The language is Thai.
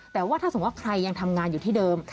แต่ว่าถ้าสมมุติว่าใครยังทำงานอยู่ที่เดิม